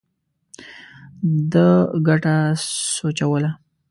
ده ګټه سوچوله.